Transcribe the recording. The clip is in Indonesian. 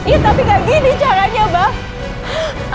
iya tapi gak gini caranya mbak